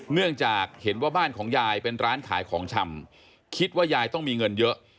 เนื่องจากเห็นว่าบ้านของยายเป็นร้านขายของชำคิดว่ายายต้องมีเงินเยอะ